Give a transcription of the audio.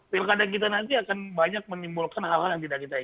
pilkada kita nanti akan banyak menimbulkan hal hal yang tidak kita inginkan